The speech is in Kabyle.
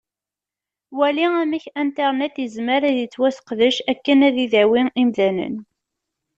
Wali amek Internet yezmer ad yettwaseqdec akken ad idawi imdanen.